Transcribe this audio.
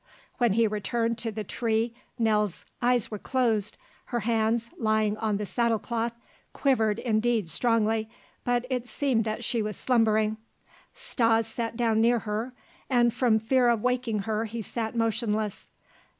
When he returned to the tree Nell's eyes were closed, her hands, lying on the saddle cloth, quivered indeed strongly, but it seemed that she was slumbering. Stas sat down near her, and from fear of waking her he sat motionless.